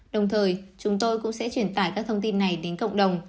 đồng thời chúng tôi cũng sẽ truyền tải các thông tin này đến cộng đồng